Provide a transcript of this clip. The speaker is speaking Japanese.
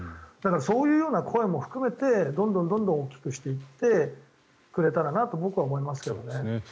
だから、そういう声も含めてどんどん大きくしていってくれたらなと僕は思いますけどね。